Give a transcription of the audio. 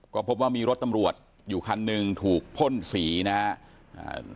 ก็พบว่ามีรถตำรวจอยู่คันหนึ่งถูกพ่นสีนะครับ